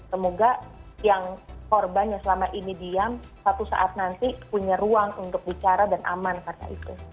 dan semoga yang korban yang selama ini diam satu saat nanti punya ruang untuk bicara dan aman karena itu